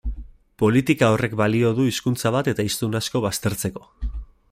Politika horrek balio du hizkuntza bat eta hiztun asko baztertzeko.